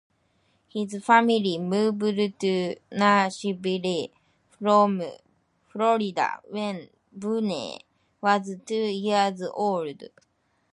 His family moved to Nashville from Florida when Boone was two years old.